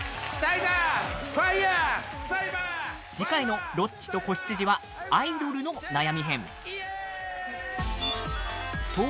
次回の「ロッチと子羊」はアイドルの悩み編。